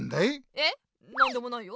えっなんでもないよ。